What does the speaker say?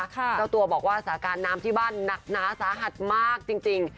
เจ้าตัวบอกว่าสถานการณ์น้ำที่บ้านหนักหนาสาหัสมากจริง